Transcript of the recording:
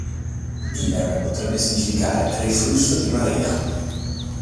Dylan potrebbe significare "riflusso di marea".